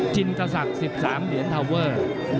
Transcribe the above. จินซาซัก๑๓เดียนทาวเวอร์